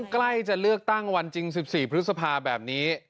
ใกล้จะเลือกตั้งวันจริง๑๔พฤษภาแบบนี้